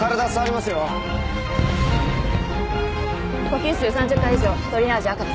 呼吸数３０回以上トリアージ赤です。